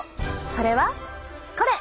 それはこれ！